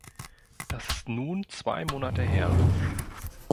Das ist nun zwei Monate her!